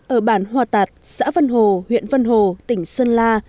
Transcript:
ở bản hòa tạt xã vân hồ huyện vân hồ tỉnh sơn la